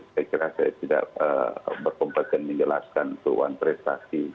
saya kira saya tidak berpemperken menjelaskan itu wuan prestasi